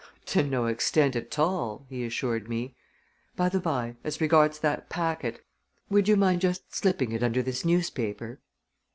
"To no extent at all," he assured me. "By the by, as regards that packet; would you mind just slipping it under this newspaper?"